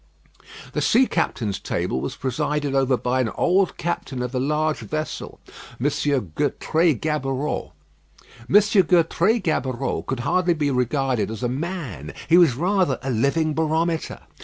The sea captains' table was presided over by an old captain of a large vessel, M. Gertrais Gaboureau. M. Gertrais Gaboureau could hardly be regarded as a man; he was rather a living barometer.